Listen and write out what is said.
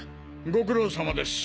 ご苦労さまです。